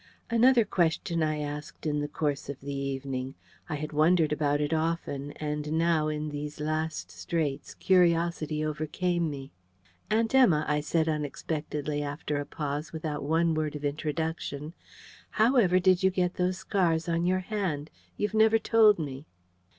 Another question I asked in the course of the evening. I had wondered about it often, and now, in these last straits, curiosity overcame me. "Aunt Emma," I said unexpectedly after a pause, without one word of introduction, "how ever did you get those scars on your hand? You've never told me."